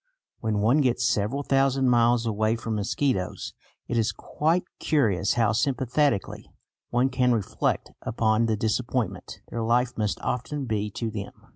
When one gets several thousand miles away from mosquitoes, it is quite curious how sympathetically one can reflect upon the disappointment their life must often be to them.